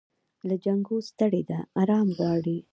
له جنګو ستړې ده آرام غواړي